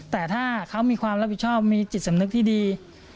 แต่ถ้าเขามีความรับผิดชอบมีจิตสำนึกที่ดี